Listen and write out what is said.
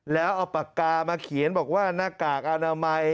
แล้วเอาปากกามาเขียนบอกว่าหน้ากากอนามัย